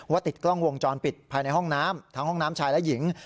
ติดกล้องวงจรปิดภายในห้องน้ำทั้งห้องน้ำชายและหญิง